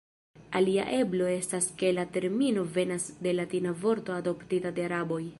Alia eblo estas ke la termino venas de latina vorto adoptita de araboj.